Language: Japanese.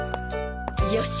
よし。